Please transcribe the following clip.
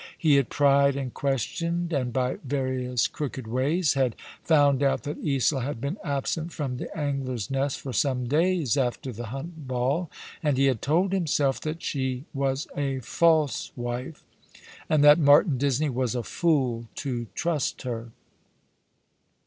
He had pried and questioned, and by various crooked ways had found out that Isola had been absent from the Angler's Nest for some days after the Hunt Ball, and he had told himself that she was a false wife, and that Martin Disney was a fool to trust her.